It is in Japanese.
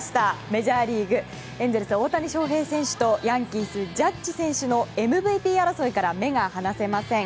メジャーリーグ、エンゼルスの大谷選手とヤンキースのジャッジ選手のＭＶＰ争いから目が離せません。